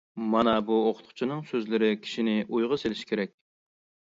مانا بۇ ئوقۇتقۇچىنىڭ سۆزلىرى كىشىنى ئويغا سېلىشى كېرەك.